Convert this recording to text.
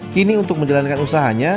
kini untuk menjalankan usahanya